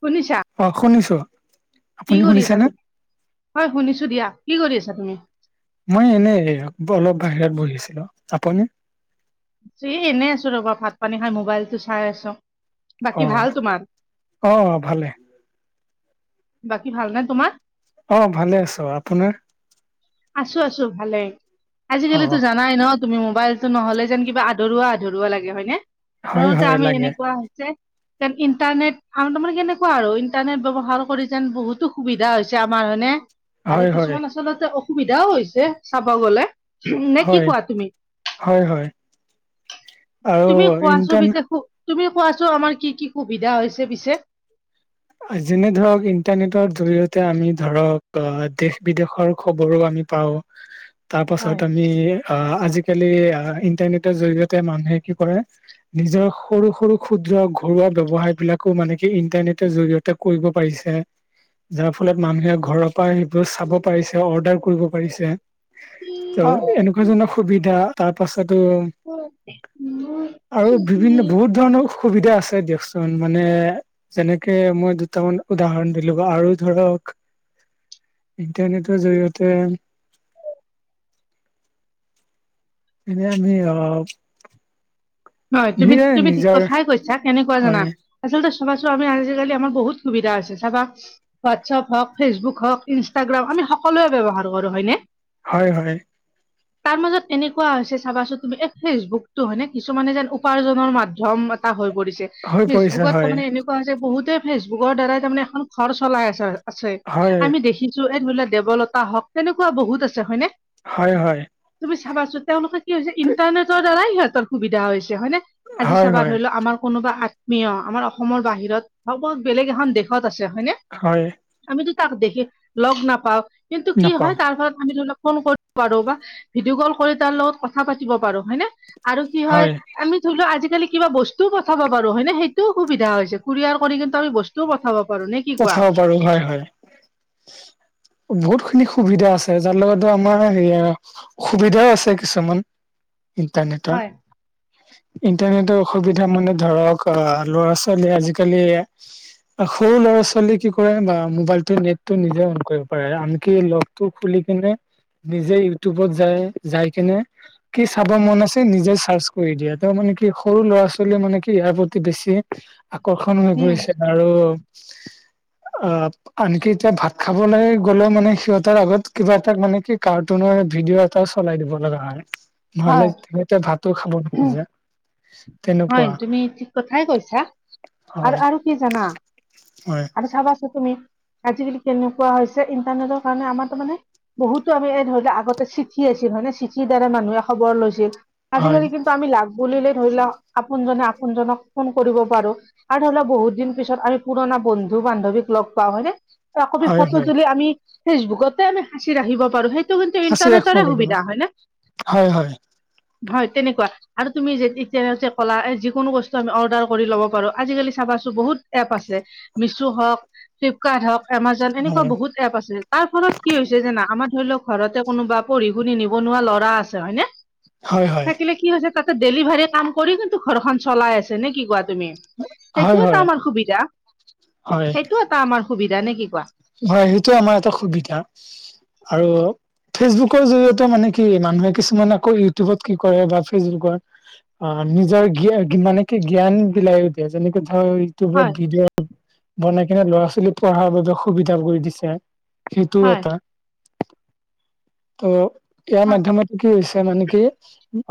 শুনিছা? অ শুনিছো। কি আপুনি কৰি আছা শুনিছেনে তুমি? হয় শুনিছো দিয়া, কি কৰি আছা তুমি? মই এনে এ অলপ বাহিৰত বহি আছিলো, আপুনি? এ এনেই আছো ৰবা, ভাত - পানী খাই মোবাইলতো চাই আছো। বাকী অহ, ভাল তোমাৰ অ ভালে। বাকী ভাল নে তোমাৰ? অ ভালে আছো, আপোনাৰ? আছো আছো ভালে, অ আজিকালিটো জান নাই ন, তুমি মোবাইলটো নহ'লে যেন কিবা আধৰুৱা আধৰুৱা লাগে হয় নে? হয় আৰুটো হয় আমি লাগে এনেকুৱা হৈছে। যেন ইণ্টাৰনেট আৰু তোমাৰ কেনেকুৱা আৰু ইণ্টাৰনেট ব্যৱহাৰ কৰি যেন বহুতো সুবিধা হৈছে আমাৰ হয়নে? আৰু হয় হয় কিছুমান আচলতে অসুবিধাও হৈছে চাব গলে উহুম নে কি হয় কোৱা তুমি? হয় হয় আৰু তুমি কোৱাচো ইণ্টাৰ পিছে সু- তুমি কোৱাছো আমাৰ কি কি সুবিধা হৈছে পিছে? আ যেনে ধৰক ইণ্টাৰনেটৰ জৰিয়তে আমি ধৰক আ দেশ - বিদেশৰ খবৰো আমি পাওঁ হয়। তাৰপাছত আমি আ আজিকালি আ ইণ্টাৰনেটৰ জৰিয়তে মানুহে কি কৰে নিজৰ সৰু - সৰু ক্ষুদ্ৰ ঘৰুৱা ব্যৱসায়বিলাকো মানে কি ইন্টাৰনেট ত জৰিয়তে কৰিব পাৰিছে। যাৰ ফলত মানুহে ঘৰৰ পৰা সেইবোৰ চাব পাৰিছে, অৰ্ডাৰ কৰিব পাৰিছে। হয় ত' এনেকুৱা ধৰণৰ সুবিধা তাৰ পাছতো ম আৰু [inaudible] [unintelligible] সুবিধা আছে দিয়কচোন মানে যেনে কে মই দুটামান উদাহৰণ দিলো বা আৰু ধৰক ইণ্টাৰনেটৰ জৰিয়তে এনে আমি অ নহয়, তুমি তুমি ঠিক নিজৰ কথাই কৈছা কেনেকুৱা জানা? হয় আচলতে চাবাচো আমি আজিকালি আমাৰ বহুত সুবিধা আছে চাবা হোৱাটছএপ হওক, ফেচবুক হওঁক, ইনষ্টাগ্ৰাম আমি সকলোৱে ব্যৱহাৰ কৰোঁ হয়নে? হয় হয়। তাৰ মাজত এনেকুৱা হৈছে চাবাচোন তুমি এই ফেচবুকটো হয় নে। ছুমানে যেন উপাৰ্জনৰ মাধ্যম এটা হৈ পৰিছে হৈ পৰিছে ফেচবুকত হয় তাৰমানে এনে। কোৱা হৈছে বহুতে ফেচবুকৰ দ্বাৰাই তাৰমানে এখন ঘৰ চলাই আছে আছে হয় আমি দেখি। ছো এই ধৰি ল দেৱলতা হওক তেনেকুৱা বহুত আছে হয়নে। হয় হয়। তুমি চাবাচোন তেওঁলোকে কি হৈছে ইণ্টাৰনেটৰ দ্বাৰাই সিহঁতৰ সুবিধা হৈছে হয়নে। আাজি হয় চাবা হয় ধৰি লও আমাৰ কোনোবা আত্মীয় আমাৰ অসমৰ বাহিৰত বা কোনো বেলেগ এখন দে। শত আছে হয়নে হয় আমিতো তাক দেখি লগ নাপাও। কিন্তু কি নাপাওঁ হয় তাৰ ফলত আমি ধৰি ল ফোন কৰ। পাৰো বা ভিডিঅ' কল কৰি তাৰ লগত কথা পাতিব পাৰো হয়নে আৰু কি হয় আমি। ধৰি ল আজিকালি কিবা বস্তু পঠাব পাৰো হয় নে সেইটোও সুবিধা হৈছে কুৰিয়াৰ কৰি কিন্তু আমি বস্তুও পঠাব। পাৰো নে কি কোৱা। পাৰো হয় হয়। বহুত খিনি সুবিধা আছে যাৰ লগত আমাৰ হেৰি আ। সুবিধাই আছে কিছুমান ইন্টাৰনেটৰ। হয় ইণ্টানেটৰ অসুবিধা মানে ধৰক ল'ৰা- ছোৱালী আজিকালি। আ সৰু লৰা। ছোৱালী কি কৰে বা মোবাইলটো নেটটো নিজে অন কৰিব পাৰে আনকি লক টো খুলি কিনে। নিজেই উটিউবত যায় যাই কিনে। কি চাব মন আছে নিজে চাৰ্চ কৰি দিয়ে তেওঁ মানে কি সৰু ল'ৰা ছোৱালীয়ে মানে কি ইয়াৰ প্ৰতি বেছি। আকৰ্ষণ হৈ উম পৰিছে আৰু আ। আনকি এতিয়া ভাত খাবলে গ'লেও মানে সিহতৰ আগত কিবা এটা মানে কি কাৰ্টুনৰ ভিডিঅ'। টা চলাই দিব লগা হয় নহলে হয় সিহঁতে ভাতো খাব নোখোজে। হয় তেনেকুৱা তুমি ঠিক কথাই কৈছা হয়, আৰু আৰু কি জানা। হয়। আৰু চাবাচোন তুমি আজিকালি কেনেকুৱা হৈছে ইণ্টাৰনেটৰ কাৰণে আমাৰ তো মানে। বহুতো আমি এই ধৰি লও আগতে চিঠি আছিল হয় নে চিঠিৰ দ্বাৰা মানুহে খবৰ লৈছিল। হয়, আজিকালি কিন্তু আমি লাগ বুলিলে ধৰি ল আপোনজনে আপোনজনক ফোন কৰিব পাৰো। আৰু ধৰি ল বহুত দিন পিছত আমি পুৰণা বন্ধু - বান্ধৱীক লগ পাও হয়নে। [inaudible] কপি হয়, ফটো হয় তুলি আমি ফেচবুকতে আমি সাঁচি ৰাখিব পাৰো সেই। [inaudible] আছে ইণ্টাৰনেটৰ সুবিধা হয় নে। হয়, হয়, হয়। হয় তেনেকুৱা আৰু তুমি যেতি। তে হৈছে কলা এ যিকোনো বস্তু আমি অৰ্ডাৰ কৰি লব পাৰো আজিকালি চাবাচোন বহুত এপ আছে। মিছো হক ফ্লিপকাৰ্ট হক এমাজন এনেকুৱা হয়, বহুত। এপ আছে তাৰ ফলত কি হৈছে জানা আমাৰ ধৰি লও ঘৰতে কোনোবা পঢ়ি শুনি নিবনুৱা ল'ৰা আছে হয়নে। হয়, হয়, থাকিলে কি হৈছে তাতে ডেলিভাৰী কাম কৰি কিন্তু ঘৰখন চলাই আছে নে কি কোৱা। তুমি হয়, সেইটো এটা হয়, আমাৰ সুবিধা সেইটো এটা আমাৰ সুবিধা নে কি কোৱা। হয় সেইটো আমাৰ এটা সুবিধা আৰু। ফেচবুকৰ জৰিয়তে মানে কি মানুহে কিছুমানে আকৌ ইউটিউবত কি কৰে বা ফেচবুকত। অ নিজৰ জ্ঞা মানে কি জ্ঞান বিলাই দিয়ে যেনেকে ধৰ। টোবত হয় ভিডিঅ' বনাই কিনে ল'ৰা-ছোৱালী পঢ়াৰ বাবে সুবিধা কৰি দিছে। সেইটো হয় এটা ত। ইয়াৰ হয় মাধ্যমত কি হৈছে মানে কি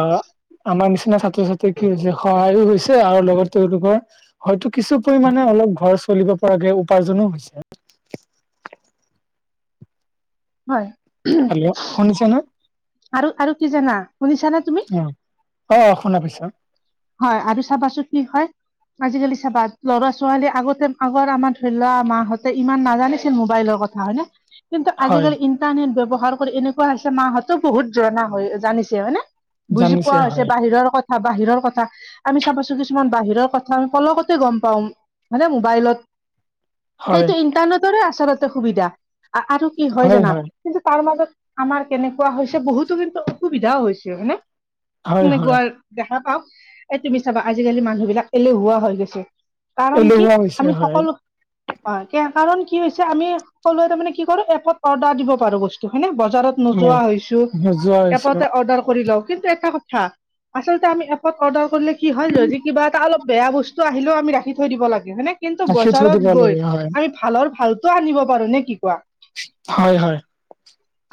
অ আমাৰ নিচিনা ছা। ত্ৰ-ছাত্ৰীৰ কি হৈছে সহায়ো হৈছে আৰু লগত তেওঁলোকৰ। হয়তো কিছু পৰিমাণে অলপ ঘৰ চলিব পৰাকে উপাৰ্জনো হৈছে। হয় হেল্ল' শুনিছে নে? [inaudible] আৰু আৰু কি জানা শুনিছানে তুমি। অঁ শুনা পাইছো। হয় আৰু চাবাচোন কি হয়? আজিকালি চাবা ল'ৰা ছোৱালী আগতে আগৰ আমাৰ ধৰি লোৱা মাঁ হতে ইমান নাজানিছিল মোবাইলৰ কথা। হয়নে? কিন্তু হয় আজিকালি ইণ্টাৰনেট ব্যৱহাৰ কৰি এনেকুৱা হৈছে মাহঁতো বহুত জনা হয় জানিছে হয়নে। বুজি জানিছে পোৱা হয়। হৈছে বাহিৰৰ কথা বাহিৰৰ কথা- আমি চাবা চোন কিছুমান বাহিৰৰ কথা আমি পলকতে গম পাওঁ মানে মোবাইলত- হয় সেইটো ইণ্টাৰনেটৰে আচলতে সুবিধা আৰু কি হয় জানা- কিন্তু তাৰ মাজত আমাৰ কেনেকুৱা হৈছে বহুতো কিন্তু অসুবিধাও হৈছে হয়নে? হয় হয় সেনেকোৱা দেখা পাওঁ। এ তুমি চাবা আজিকালি মানুহ বিলাক এলেহুৱা হৈ গৈছে। কাৰণ কি, এলেহুৱা হৈছে আমি হয় সকলো- হয়। কাৰণ কি হৈছে আমি সকলোৱে তাৰ মানে কি কৰো এপত অৰ্ডাৰ দিব পাৰো বস্তু হয়নে? বজাৰত- হয়। নোযোৱা হৈছোঁ, নোযোৱা হৈছে এপটে অৰ্ডাৰ কৰি লওঁ কিন্তু এটা কথা আচলতে আমি এপ- অৰ্ডাৰ কৰিলে কি হয় যদি কিবা এটা অলপ বেয়া বস্তু আহিলও আমি ৰাখি থৈ দিব লাগে হয়নে? কিন্তু ৰাখি থৈ দিব বজাৰত লাগে গৈ হয় আমি ভালৰ ভালতটো আনিব পাৰো নে কি কোৱা? হয়, হয়।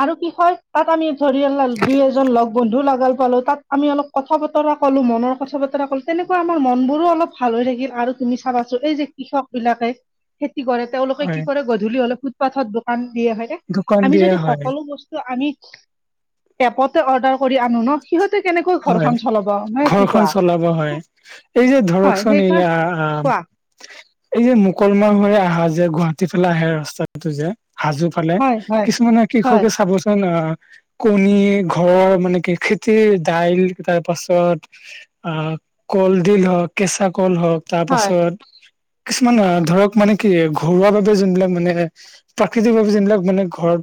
আৰু কি কয় তাত আমি ধৰিল দুই - এজন লগ বন্ধু লগাল পালো তাত আমি অলপ কথা বতৰা- কলো মনৰ কথা বতৰা কলো। তেনেকুৱা আমাৰ মন বোৰো অলপ ভাল হৈ থাকিল আৰু তুমি চাবাচো এই যে কৃষক বিলাকে- খেতি কৰে, তেওঁলোকে কি হয় কৰে গধূলি হলে ফুটপাথত দোকান দিয়ে হয়নে? দোকান আমি দিয়ে যদি হয় সকলো বস্তু- আমি এপতে অৰ্ডাৰ কৰি আনো ন, সিহঁতে কেনেকৈ হয় ঘৰখন চলাব। নহয় কি ঘৰখন কোৱা চলাব হয়। এই যে হয় ধৰকচোন সেইকাৰ এইয়া- কোৱা এই যে মুকলময় হৈ আহা যে গুৱাহাটী ফালে আহে ৰাস্তাটো যে হাজো- ফালে হয় হয় কিছুমানে হয় কৃষকে চাবচোন আহ- কণী ঘৰৰ, মানে কি খেতি- দাইল তাৰ পাছত আ কলডিল হওঁক, কেঁচা কল হওঁক। তাৰ হয় হয় পাছত কিছুমান ধৰক মানে কি ঘৰুৱা বাবে যোনবিলাক মানে- প্ৰাকৃতিক ভাৱে যোনবিলাক মানে ঘৰ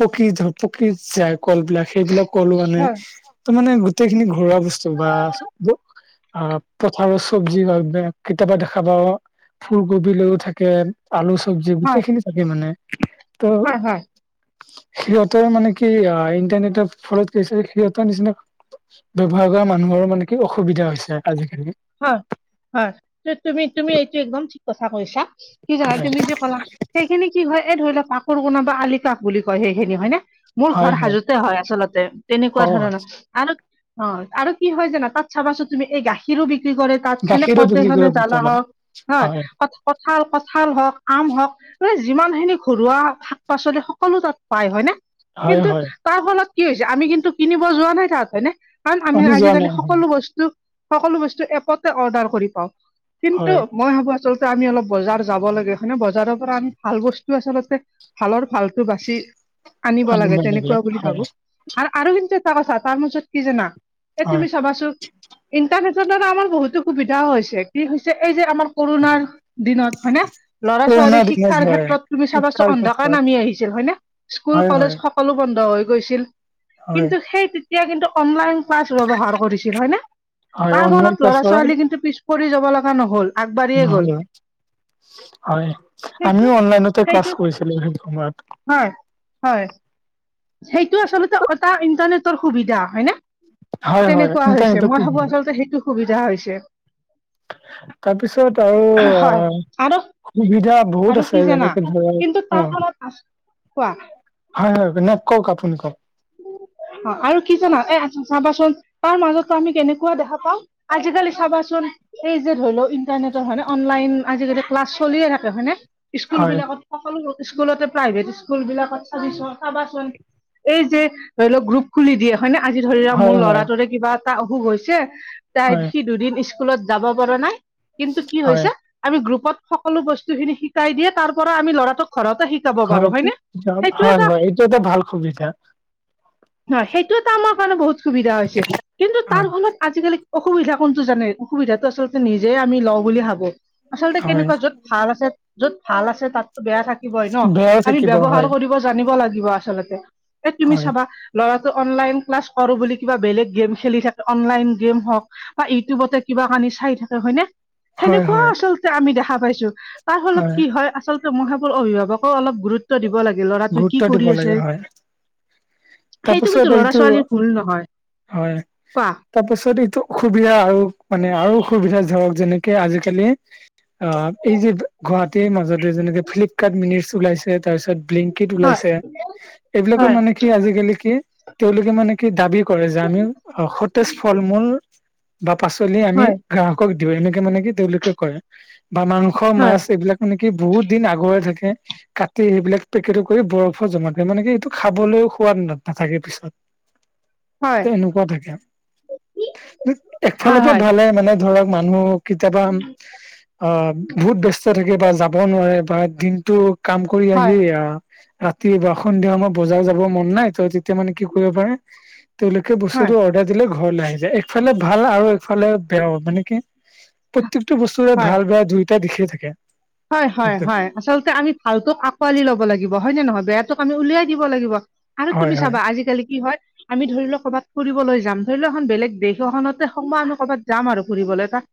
পকি পকি যায় কলবিলাক। সেইবিলাক কলো মানে হয় ত মানে গোটেই খিনি ঘৰুৱা বস্তু বা- অ পথাৰত চব্জি কেতিয়াবা দেখা পাওঁ, ফুলকবি লৈও থাকে। আলু চব্জি গোটেই খিনি থাকে মানে। ত' হয়, হয়। সিহঁতৰ মানে কি অঁ ইণ্টাৰনেটৰ ফলত কি হৈছে সিহঁতৰ নিচিনা- ব্যৱহাৰ কৰা মানুহৰো মানে কি অসুবিধা হৈছে আজিকালি। হয়, হয় তুমি তুমি এইটো একদম ঠিক কথা কৈছা, কি জানা তুমি যে কলা- সেইখিনি কি হয়, এই ধৰি লোৱা কাকোৰ কোন বা আলি কাষ বুলি কয় সেইখিনি হয় ন। মোৰ ঘৰ হাজোতে হয় আচলতে তেনেকুৱা অ ধৰণৰ। আৰু অঁ আৰু কি হয় জানা তাত চাবাচোন তুমি এই গাখীৰো বিক্ৰী কৰে। তাত মানে গাখীৰো বিক্ৰী কদেশখনে কৰে জ্বালা বটলত হওঁক হয়, কঁঠাল কঁঠাল হওঁক, আম হওঁক। এই যিমান খিনি ঘৰুৱা শাক পাচলি সকলো তাত পায় হয় নে। হয় কিন্তু হয় তাৰ ফলত কি হৈছে আমি কিন্তু কিনিব যোৱা নাই তাত হয়নে? কাৰণ আমি যোৱা আজিকালি নাই হয় সকলো বস্তু সকলো বস্তু এপতে অৰ্ডাৰ কৰি পাওঁ। হয় কিন্তু- মই ভাবো আচলতে আমি অলপ বজাৰ যাব লাগে, হয়নে? বজাৰৰ পৰা আমি ভাল বস্তু আচলতে- ভালৰ ভালতো বাচি আনিব লাগে তেনেকুৱা বুলি ভাবো। আৰু আৰু কিন্তু এটা কথা তাৰ মাজত কি জানা, এই হয় তুমি চাবাচোন- ইণ্টাৰনেটৰ দ্বাৰা আমাৰ বহুতো সুবিধাও হৈছে কি হৈছে এই যে আমাৰ কৰোণাৰ দিনত হয়নে। ল'ৰা পুৰণা ছোৱালী দিনত শিক্ষাৰ হয় ক্ষেত্ৰত তুমি চাবাচোন শিক্ষাৰ অন্ধকাৰ ক্ষেত্ৰত নামি আহিছিল হয় নে স্কুল হয় হয় কলেজ। সকলো বন্ধ হৈ গৈছিল হয় কিন্তু সেই তেতিয়া কিন্তু অনলাইন ক্লাছ ব্যবহাৰ কৰিছিল হয় নে। হয় তাৰ অনলাইন ফলত ল'ৰা ক্লাছৰ ছোৱালী কিন্তু পিছ পৰি যাব লগা নহল আগবাঢ়িয়ে গ'ল। নহয় হয় সেইটো আমিও অনলাইনতে ক্লাছ সেইটো কৰিছিলো সেইটো সময়ত। হয় হয়। সেইটো আচলতে এটা ইন্টাৰনেটৰ সুবিধা হয় নে। হয় হয় তেনেকুৱা হৈছে ইণ্টাৰনেটৰ মই ভাবো সুবিধা আচলতে সেইটো সুবিধা হৈছে। তাৰপিছত হয় আৰু। আৰু সুবিধা বহুত আৰু আছে কি জানা যেনেকে কিন্তু ধৰক অ। তাৰ ফলত আচ- কোৱা। হয় হয় নে কওক আপুনি কওক। অ আৰু কি জানা এ চাবাচোন তাৰ মাজতো আমি কেনেকুৱা দেখা পাওঁ। আজিকালি চাবা চুন এই যে ধৈলক হিন। ইন্টাৰনেটৰ হয়নে অনলাইন আজিকালি ক্লাছ চলিয়ে থাকে হয়নে স্কুল হয় বিলাকত। সকলো স্কুলতে প্ৰাইভেট স্কুল বিলাকত চাবিচোন চাবাচোন এই যে। ধৰি লওক গ্ৰুপ খুলি দিয়ে হয়নে আজি ধৰি ল হয় মোৰ হয় লৰাটোৰে কিবা এটা অসুখ হৈছে। তাই হয় সি দুদিন স্কুলত যাব পৰা নাই কিন্তু কি হয় হৈছে। আমি গ্ৰুপত সকলো বস্তু খিনি শিকাই দিয়ে তাৰ পৰা আমি ল'ৰাটোক ঘৰতে শিকাই। ঘৰতে হয় হয় এইটো এটা ভাল সুবিধা। হয় সেইটো এটা আমাৰ কাৰণে বহুত সুবিধা হৈছে কিন্তু তাৰ হয় সময়ত। আজিকালি অসুবিধা কোনটো জানে অসুবিধাটো আচলতে নিজে আমি লওঁ বুলি ভাবো আচলতে হয় কেনেকুৱা য'ত। ভাল আছে যত ভাল আছে তাত বেয়া থাকিব হয় ন বেয়াও আমি থাকিব হয় ব্যৱহাৰ কৰিব। জানিব লাগিব আচলতে। এ তুমি হয় চাবা ল'ৰাটো অনলাইন ক্লাছ কৰো বুলি কিবা বেলেগ গেম খেলি থাকে অনলাইন গেম হওক। বা ইউটিউবতে কিবা কানি চাই থাকে হয় নে। হয় হয় সেনেকুৱাও আচলতে আমি দেখা পাইছো তাৰ ফলত কি হয় আচল। কিন্তু মই ভাবো অভিভাৱকও অলপ গুৰুত্ব দিব লাগে ল'ৰাটো গুৰুত্ব কি দিব কৰি লাগে আছে। হয় সেইটো কিন্তু তাৰপাছত ল'ৰা এইটো ছোৱালীৰ ভুল নহয় হয়। কোৱা? তাৰ পাছত এইটো অসুবিধা আৰু মানে আৰু অসুবিধা ধৰক যেনেকে আজিকালি। অ এই যে গুৱাহাটীৰ মাজত। যেনেকে ফ্লিপকাৰ্ট মিনটছ উলাইছে তাৰ পিছত বিলিংকিট হয়, ওলাইছে। এইবিলাকৰ হয়, মানে কি আজিকালি কি তেওঁলোকে মানে কি দাবী। কৰে যে হয়, আমি সতেজ ফল মূল বা পাচলি আমি। হয়। গ্ৰাহকক দিও এনেকে মানে কি তেওঁলোকে কৰে বা মাংস হয়। হয়, মাছ এইবিলাক। মানে কি বহুত দিন আগৰে থাকে কাটি সেইবিলাক। পেকেটটো কৰি বৰফো জমা দিয়ে মানে কি এইটো খাবলৈও সোৱাদ নাথাকে পিছত। হয়। ত এনেকুৱা থাকে হয়, এফালৰ পৰা হয়, ভালে মানে ধৰক মানুহ। কেতিয়াবা অ বহুত ব্যস্ত থাকে বা যাব নোৱাৰে বা দিনটো। কাম কৰি আহি অ। ৰাতি বা সন্ধিয়া আমাৰ বজাৰ যাব মন নাই ত তেতিয়া মানে কি কৰিব পাৰে। তেওঁলোকে বস্তুটো অৰ্ডাৰ দিলে ঘৰলৈ আহি যায় একফালে ভাল আৰু একফালে বেয়াও মানে কি। প্ৰত্যেকটো বস্তুৰে হয়। ভাল বেয়া দুয়োটাই দিশেই থাকে। হয় হয় সেইটোৱে হয় আচলতে আমি ভালটোক আঁকোৱালি লব লাগিব হয় নে নহয় বেয়াটোক আমি উলিয়াই দিব লাগিব। আৰু হয় তুমি হয় চাবা আজিকালি কি হয়। আমি ধৰি লও ক'ৰবাত ফুৰিবলৈ যাম ধৰি লও এখন বেলেগ দেশ এখনতে হওক আমি কৰ'বাত যাম আৰু ফুৰিবলৈ তাত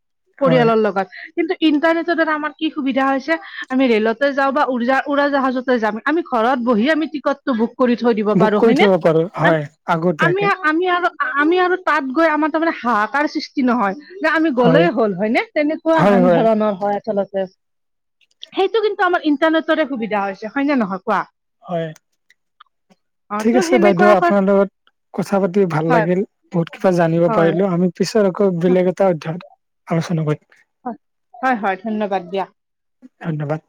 হয় পৰিয়ালৰ লগত। কিন্তু ইণ্টাৰনেটত আমাৰ এটা কি সুবিধা হৈছে আমি ৰেলতে যাওঁ বা উৰাজাহাজতে যাম আমি ঘৰত বহি আমি টিকট বুক কৰি থৈ দিব বুক পাৰো কৰি হয় নে? থব পাৰো হয় আমি আগতীয়াকে আমি আৰু আমি আৰু তাত গৈ আমাৰ তাৰমানে হাহাকাৰ সৃষ্টি নহয়। যে আমি হয় গ'লেই হ'ল হয়নে তেনেকুৱা হয় আন হয় ধৰণৰ হয় আচলতে। সেইটো কিন্তু আমাৰ ইণ্টাৰনেটৰে সুবিধা হৈছে। হয়নে নহয় কোৱা? হয়, অ ঠিক ত' আছে বাইদেউ সেনেকুৱাকৈ আপোনাৰ লগত কথা পাতি ভাল হয় লাগিল, বহুত কিবা জানিব হয় পাৰিলো। আমি পিছত আকৌ বেলেগ এটা অধ্যায় আলোচনা কৰিম। হয় হয় হয়, ধন্যবাদ দিয়া। ধন্যবাদ।